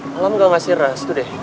malam gak ngasih rest tuh deh